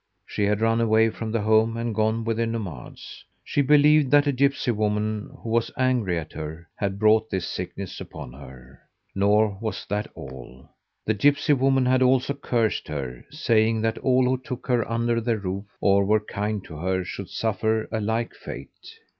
She had run away from home and gone with the nomads. She believed that a gipsy woman who was angry at her had brought this sickness upon her. Nor was that all: The gipsy woman had also cursed her, saying that all who took her under their roof or were kind to her should suffer a like fate.